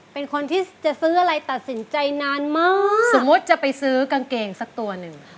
เป็นคนที่จะซื้ออะไรตัดสินใจนานมากสมมุติจะไปซื้อกางเกงสักตัวหนึ่ง